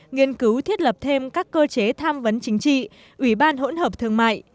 nghiên cứu thiết lập thêm các cơ chế tham vấn chính trị ủy ban hỗn hợp thương mại